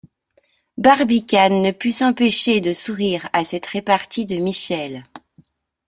Barbicane ne put s’empêcher de sourire à cette repartie de Michel.